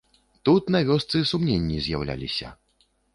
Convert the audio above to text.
Тут, на вёсцы, сумненні з'яўляліся.